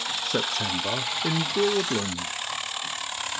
SEPTEMBER IN BROADLAND.